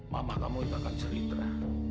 mama kamu itu akan cerita